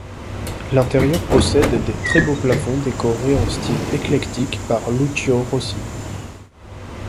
L’intérieur possède des très beaux plafonds décorés en style éclectique Par Lucio Rossi.